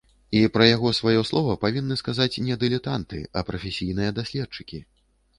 І пра яго сваё слова павінны сказаць не дылетанты, а прафесійныя даследчыкі.